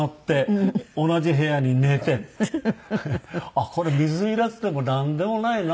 あっこれ水入らずでもなんでもないな。